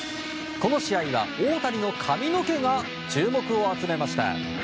この試合は大谷の髪の毛が注目を集めました。